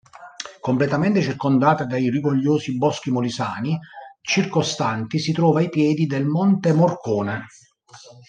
Completamente circondata dai rigogliosi boschi molisani circostanti, si trova ai piedi del Monte Morcone.